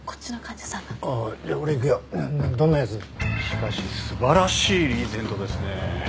しかし素晴らしいリーゼントですねぇ。